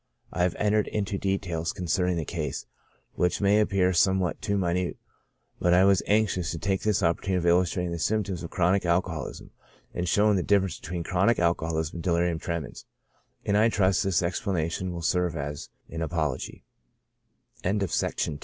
I have entered into details concerning this case, which may appear somewhat too minute, but I was anxious to take this opportunity of illustrating the symptoms of chronic alcoholism, and showing the difference between chronic aU coholism and delirium tremens ; and I trust this explanation w